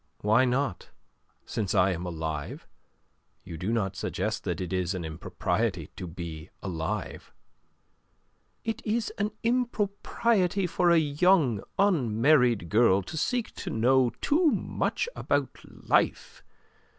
"Why not, since I am alive? You do not suggest that it is an impropriety to be alive?" "It is an impropriety for a young unmarried girl to seek to know too much about life.